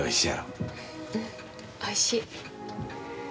うんおいしい。